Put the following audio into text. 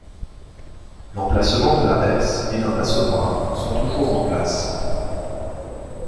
L'emplacement de la herse et d'un assommoir sont toujours en place.